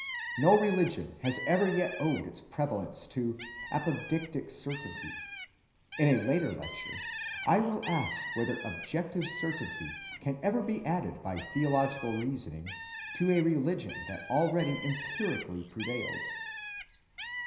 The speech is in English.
No religion has ever yet owed its prevalence to "apodictic certainty." In a later lecture I will ask whether objective certainty can ever be added by theological reasoning to a religion that already empirically prevails.